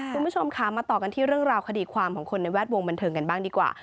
คุณผู้ชมค่ะมาต่อกันที่เรื่องราวคดีความของคนในแวดวงบันเทิงกันบ้างดีกว่า